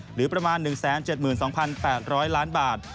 หรือประมาณ๑๗๒๘๐๐ล้านบาท